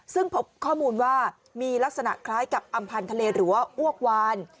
ซึ่งพบข้อมูลว่ามีลักษณะคล้ายกับอำพันธ์ทะเลหรือว่าอ้วกวาน